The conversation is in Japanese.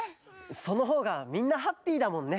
そのほうがみんなハッピーだもんね。